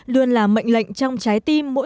luôn là mệnh lệnh trong trái tim mỗi người venir